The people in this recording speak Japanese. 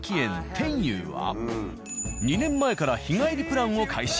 天悠は２年前から日帰りプランを開始。